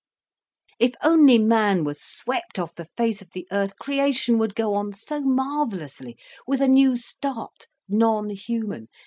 "If only man was swept off the face of the earth, creation would go on so marvellously, with a new start, non human.